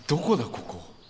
ここ。